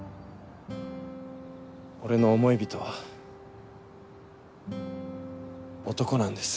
俺の思い人は男なんです。